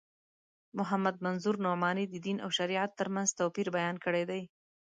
محمد منظور نعماني د دین او شریعت تر منځ توپیر بیان کړی دی.